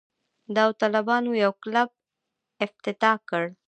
داوطلبانو یو کلب افتتاح کړ.